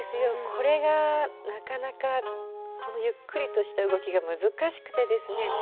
これがなかなかゆっくりとした動きが難しくてですね